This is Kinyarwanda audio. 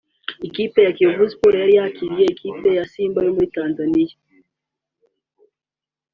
Ikipe ya Kiyovu Sports yari yakiriye ikipe ya Simba yo muri Tanzania